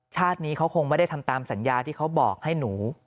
ชาตินี้เขาคงไม่ได้ทำตามสัญญาที่เขาบอกให้หนู